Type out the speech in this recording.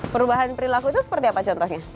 perubahan perilaku itu seperti apa contohnya